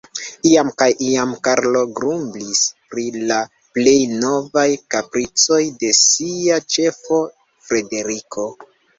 Iam kaj iam Karlo grumblis pri la plej novaj kapricoj de sia ĉefo, Frederiko.